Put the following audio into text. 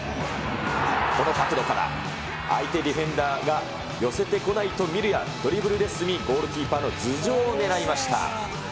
この角度から、相手ディフェンダーが寄せてこないと見るや、ドリブルで進み、ゴールキーパーの頭上を狙いました。